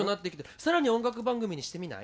更に音楽番組にしてみない？